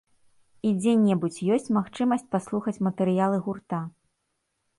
І дзе-небудзь ёсць магчымасць паслухаць матэрыялы гурта?